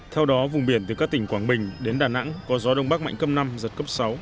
theo đó vùng biển từ các tỉnh quảng bình đến đà nẵng có gió đông bắc mạnh cấp năm giật cấp sáu